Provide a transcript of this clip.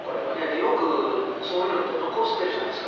よくそういうのって残してるじゃないですか。